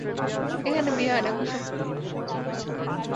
এখানে বিয়ে হয় না, কুসুম।